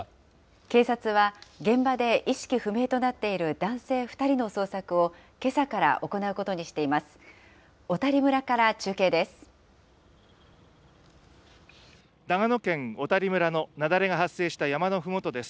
警察は現場で意識不明となっている男性２人の捜索を、けさから行うことにしています。